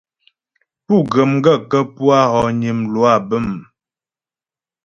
Pú ghə̀ m gaə̂kə́ pú a hɔgnə mlwâ bə̂m ?